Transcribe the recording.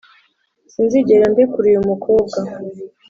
sinzigera ndekura uyumukobwa